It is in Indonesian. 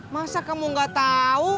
masa kamu gak tau